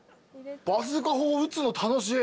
バズーカ砲撃つの楽しい。